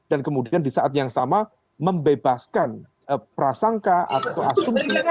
dan kemudian di saat yang sama membebaskan prasangka atau asumsi